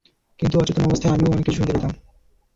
কিন্তু, অচেতন অবস্থায়ও আমি অনেক কিছু শুনতে পেতাম!